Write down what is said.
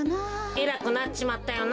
えらくなっちまったよな。